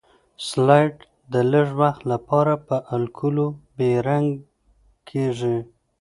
سلایډ د لږ وخت لپاره په الکولو بې رنګ کیږي.